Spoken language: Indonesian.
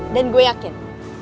dan gue yakin